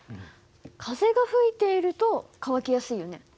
風が吹いていると乾きやすいよね。